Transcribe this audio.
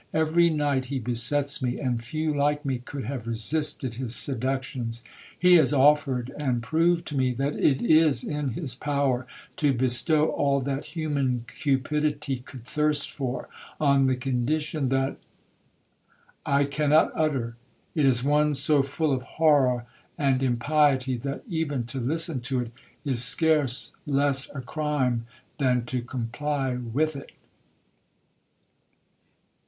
Every night he besets me, and few like me could have resisted his seductions. He has offered, and proved to me, that it is in his power to bestow all that human cupidity could thirst for, on the condition that—I cannot utter! It is one so full of horror and impiety, that, even to listen to it, is scarce less a crime than to comply with it!'